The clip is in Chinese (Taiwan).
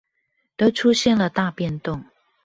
都出現了大變動